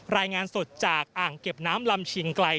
รายงานสดจากอ่างเก็บน้ำลำเชียงไกล